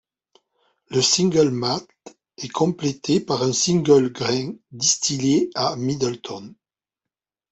Le single malt est complété par un single grain distillé à Midleton.